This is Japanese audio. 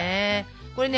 これね